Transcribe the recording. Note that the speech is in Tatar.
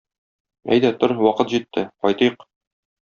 Әйдә тор, вакыт җитте, кайтыйк.